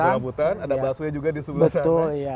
kampung rambutan ada basuhnya juga di sebelah sana